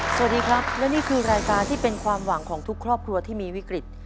สวัสดีครับและนี่คือรายการที่เป็นความหวังของทุกครอบครัวที่มีวิกฤต